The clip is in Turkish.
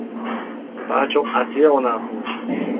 Daha çok Asiye ona asılmıştı.